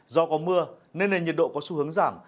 do có mưa nên nền nhiệt độ có xu hướng giảm